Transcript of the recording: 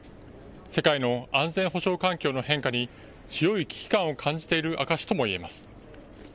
世界の安全保障環境の変化に強い危機感を感じている証しともいえます。